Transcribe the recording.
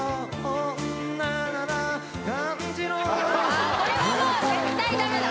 あっこれはもう絶対ダメだ